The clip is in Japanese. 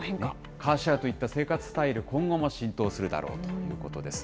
カーシェアといった生活スタイル、今後も浸透するだろうということです。